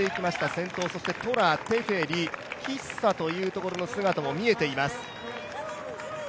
先頭、そしてトラ、テフェリキッサというところの姿も見えています。